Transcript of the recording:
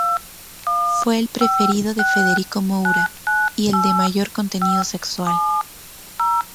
Fue el preferido de Federico Moura y el de mayor contenido sexual.